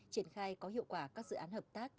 triển khai có hiệu quả các dự án hợp tác